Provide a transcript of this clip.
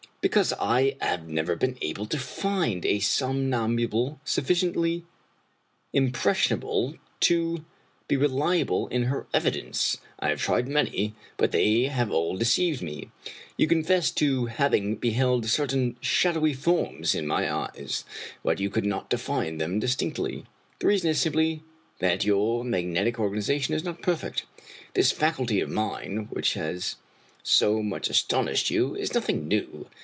" Because I have never been able to find a somnambule sufficiently impressionable to be reliable in her evidence. I have tried many, but they have all deceived me. You confess to having beheld certain shadowy forms in my eyes, but you could not define them distinctly. The reason is simply that your magnetic organization is not perfect. This faculty of mine, which has so much astonished you, is nothing new.